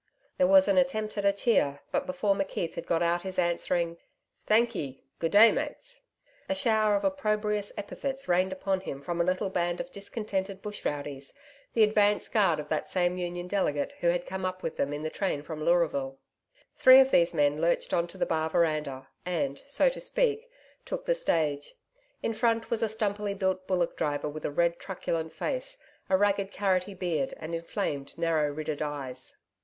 There was an attempt at a cheer, but before McKeith had got out his answering, 'Thank ye Good day, mates,' a shower of opprobrious epithets rained upon him from a little band of discontented bush rowdies the advance guard of that same Union delegate who had come up with them in the train from Leuraville. Three of these men lurched on to the bar veranda, and, so to speak, took the stage. In front was a stumpily built bullock driver with a red, truculent face, a ragged carrotty beard and inflamed narrow ridded eyes.